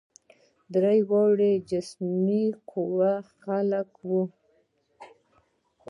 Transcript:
درې واړه جسما قوي خلک وه.